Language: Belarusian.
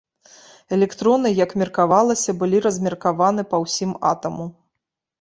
Электроны, як меркавалася, былі размеркаваны па ўсім атаму.